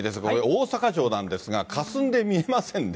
大阪城なんですが、かすんで見えませんね。